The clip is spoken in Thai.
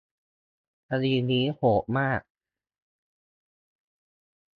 คดีนี้โหดมาก